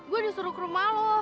gue disuruh ke rumah lo